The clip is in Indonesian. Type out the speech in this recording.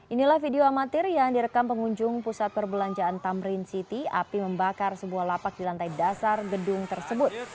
inilah video amatir yang direkam pengunjung pusat perbelanjaan tamrin city api membakar sebuah lapak di lantai dasar gedung tersebut